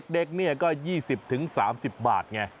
เด็กก็๒๐๓๐บาทไง